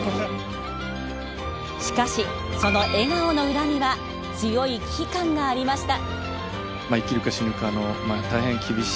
しかしその笑顔の裏には強い危機感がありました。